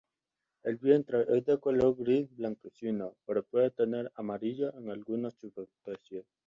El vientre es de color gris blanquecino, pero puede tener amarillo en algunas subespecies.